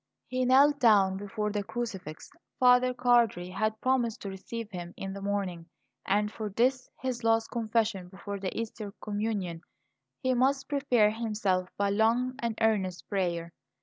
He knelt down before the crucifix. Father Cardi had promised to receive him in the morning; and for this, his last confession before the Easter communion, he must prepare himself by long and earnest prayer.